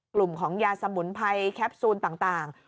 กลุ่มของยาสมุนไพรแคปซูลต่าง